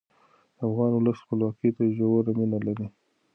افغان ولس خپلواکۍ ته ژوره مینه لري.